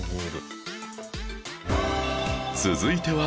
続いては